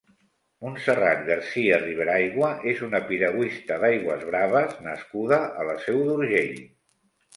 Montserrat Garcia Riberaygua és una piragüista d'aigües braves nascuda a la Seu d'Urgell.